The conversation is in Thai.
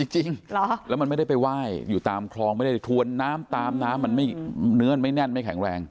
จริงแล้วมันไม่ได้ไปไหว้อยู่ตามคลองไม่ได้ถวนน้ำตามน้ำมันเนื้อมันไม่แน่นไม่แข็งแรง